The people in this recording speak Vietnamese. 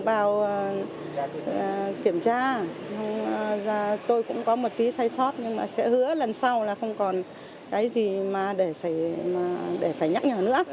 khi mình vào kiểm tra tôi cũng có một tí sai sót nhưng mà sẽ hứa lần sau là không còn cái gì mà để phải nhắc nhở nữa